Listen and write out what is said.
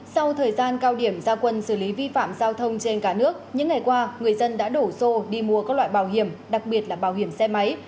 sau thời gian cao điểm gia quân xử lý vi phạm giao thông trên cả nước những ngày qua người dân đã đổ xô đi mua các loại bảo hiểm đặc biệt là bảo hiểm xe máy